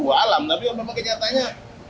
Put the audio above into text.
buah alam tapi memang kenyataannya